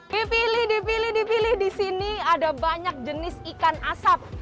dipilih dipilih dipilih di sini ada banyak jenis ikan asap